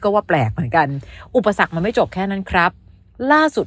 ก็ว่าแปลกเหมือนกันอุปสรรคมันไม่จบแค่นั้นครับล่าสุด